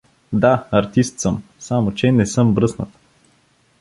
— Да, артист съм, само че не съм бръснат.